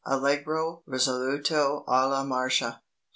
Allegro risoluto alla Marcia 4.